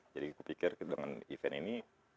jadi saya pikir dengan event ini